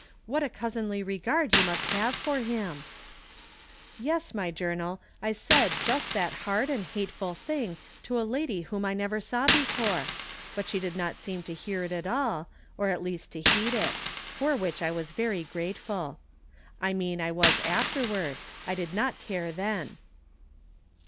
What a cousinly regard you must have for him !" Yes, jny Journal, I said just that hard and hateful thing to a lady whom I never saw before ; 64 From Different Standpoints. but she did not seem to hear it at all, or at least to heed it; for which I was very grateful. I mean I was afterward — I did not care then.